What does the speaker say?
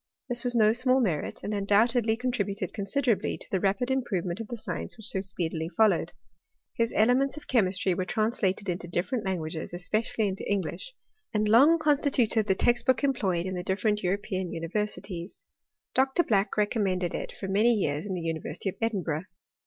This was no small merit, and undoubtedly contributed considerably to the rapid improvement m the science whicii so speedily followed. His elements of chemistry were translated into different languages, especially into English ; and long constituted the text book employed in the different European universities. Dr. Black recommended it for many years in the Uni versity of Edinburgh.